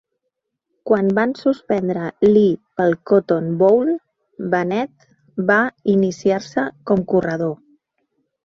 Quan van suspendre Lee pel Cotton Bowl, Bennett va iniciar-se com corredor.